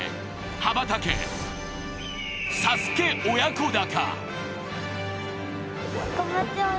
羽ばたけ、ＳＡＳＵＫＥ親子鷹！